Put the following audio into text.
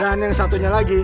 dan yang satunya lagi